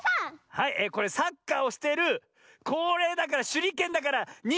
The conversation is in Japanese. はいこれサッカーをしているこれだからしゅりけんだからにんじゃ！